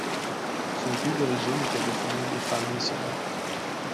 Son but d'origine était de former des femmes missionnaires.